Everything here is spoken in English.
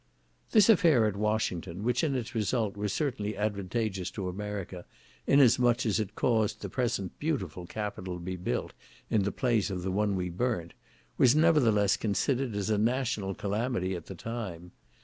This affair at Washington, which in its result was certainly advantageous to America, inasmuch as it caused the present beautiful capitol to be built in the place of the one we burnt, was, nevertheless, considered as a national calamity at the time.